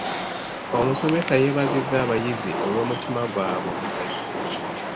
Omusomesa yeebazizza abayizi olw'omutima gwabwe omugabi.